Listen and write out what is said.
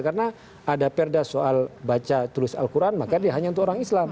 karena ada perda soal baca tulis al quran makanya hanya untuk orang islam